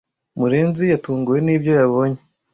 Murenzi yatunguwe nibyo yabonye.